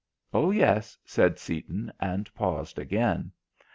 "Oh, yes!" said Seaton, and paused again.